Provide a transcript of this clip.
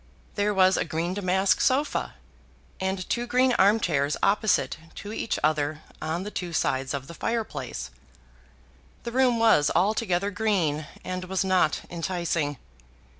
There was a green damask sofa, and two green arm chairs opposite to each other at the two sides of the fireplace. The room was altogether green, and was not enticing.